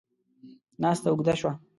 ناسته اوږده شوه.